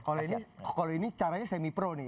kalau ini caranya semi pro nih